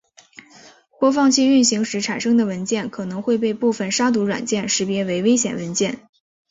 播放器运行时产生的文件可能会被部分杀毒软件识别为危险文件。